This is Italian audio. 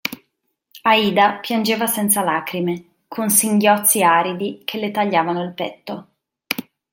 Aida piangeva senza lacrime, con singhiozzi aridi che le tagliavano il petto.